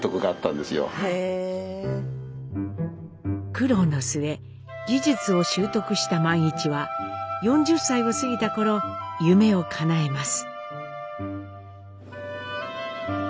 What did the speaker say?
苦労の末技術を習得した萬一は４０歳を過ぎた頃夢をかなえます。